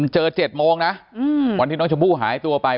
๗โมงนะวันที่น้องชมพู่หายตัวไป